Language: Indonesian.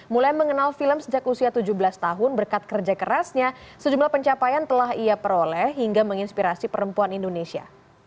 mulai mengenal film sejak usia tujuh belas tahun berkat kerja kerasnya sejumlah pencapaian telah ia peroleh hingga menginspirasi perempuan indonesia